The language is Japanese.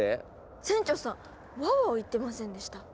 船長さん「ワオワオ」言ってませんでした？